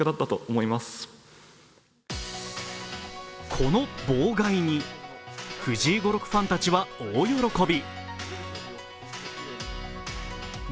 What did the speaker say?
この望外に藤井語録ファンたちは大喜び。